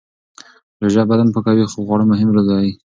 روژه بدن پاکوي خو خواړه مهم رول لري.